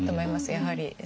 やはり。